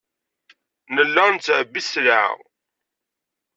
Nella nettɛebbi sselɛa.